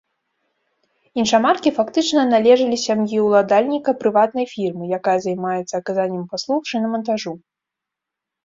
Іншамаркі фактычна належалі сям'і ўладальніка прыватнай фірмы, якая займаецца аказаннем паслуг шынамантажу.